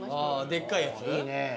でっかいやつ？